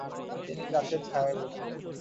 তিনি গাছের ছায়ায় বসলেন।